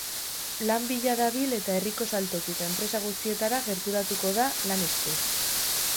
Lan bila dabil eta herriko saltoki eta enpresa guztietara gerturako da lan eske.